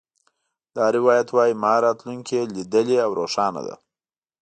دا روایت وایي ما راتلونکې لیدلې او روښانه ده